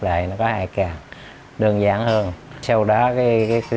để nếu không có vi truyền thức